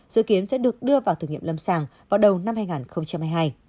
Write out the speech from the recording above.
dự kiến sẽ được đưa vào thử nghiệm lâm sàng vào đầu năm hai nghìn hai mươi hai